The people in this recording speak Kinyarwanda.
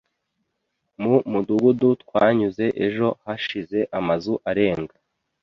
Mu mudugudu twanyuze ejo hashize amazu arenga .